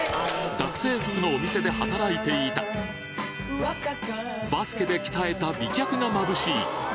学生服のお店で働いていたバスケで鍛えた美脚がまぶしい